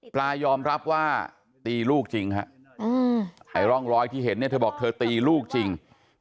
ปลายอมรับว่าตีลูกจริง